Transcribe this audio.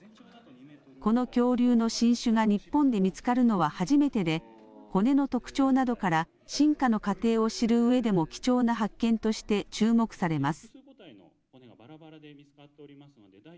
この恐竜の新種が日本で見つかるのは初めてで骨の特徴などから進化の過程を知るうえでも貴重な発見として注目されます。